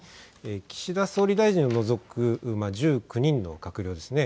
岸田総理大臣を除く１９人の閣僚ですね。